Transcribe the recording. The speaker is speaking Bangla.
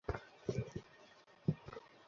বেশি বাড়াবাড়ি করিস না এভাবে ধান্ধা করিস?